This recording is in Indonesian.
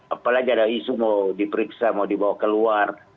apalagi ada isu mau diperiksa mau dibawa keluar